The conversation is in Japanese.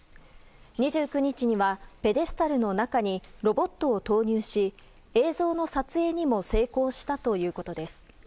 ２９日には、ペデスタルの中にロボットを投入し映像の撮影にも成功したということです。